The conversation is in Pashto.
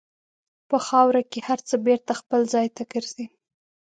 په خاوره کې هر څه بېرته خپل ځای ته ګرځي.